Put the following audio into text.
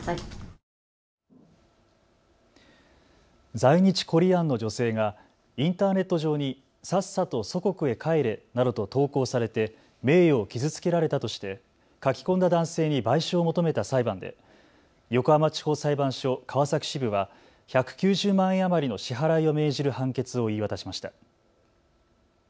在日コリアンの女性がインターネット上にさっさと祖国へ帰れなどと投稿されて名誉を傷つけられたとして書き込んだ男性に賠償を求めた裁判で横浜地方裁判所川崎支部は１９０万円余りの支払いを命じる判決を言い渡しました。